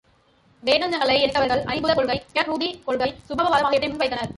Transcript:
வேதயக்ஞங்களை எதிர்த்தவர்கள், ஐம்பூதக் கொள்கை, பிரக்ருதி கொள்கை, சுபாவவாதம் ஆகியவற்றை முன் வைத்தனர்.